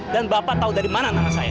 dan bapak tau dari mana nama saya